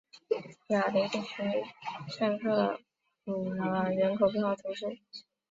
雅雷地区圣克鲁瓦人口变化图示